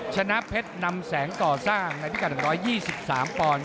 ชนะเพชรนำแสงก่อสร้างในพิกัด๑๒๓ปอนด์